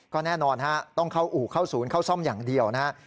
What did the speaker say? ก็แน่นอนฮะต้องเข้าอู่เข้าศูนย์เข้าซ่อมอย่างเดียวนะฮะ